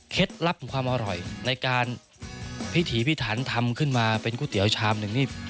ลับของความอร่อยในการพิถีพิถันทำขึ้นมาเป็นก๋วยเตี๋ยวชามหนึ่งนี่